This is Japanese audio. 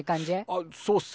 あっそうっすね。